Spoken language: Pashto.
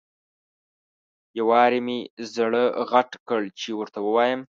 یو وارې مې زړه غټ کړ چې ورته ووایم.